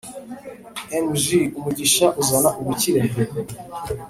Img umugisha uzana ubukire